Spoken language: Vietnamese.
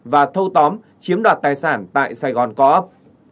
và thâu tóm chiếm đoạt tài sản tại sài gòn co op